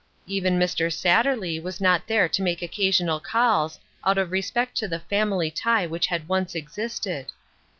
Even Mr. Satterley was not there to make occasional calls, out of respect to the family tie which had once existed.